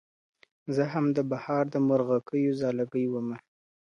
زه هم د بهار د مرغکیو ځالګۍ ومه.